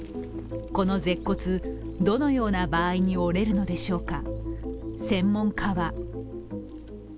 この舌骨、どのような場合に折れるのでしょうか。